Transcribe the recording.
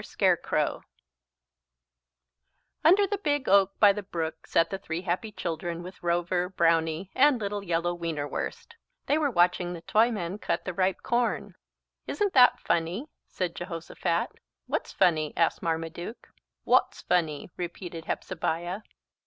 SCARECROW Under the big oak by the brook sat the three happy children with Rover, Brownie, and little yellow Wienerwurst. They were watching the Toyman cut the ripe corn. "Isn't that funny?" said Jehosophat. "What's funny?" asked Marmaduke. "Wot's funny?" repeated Hepzebiah.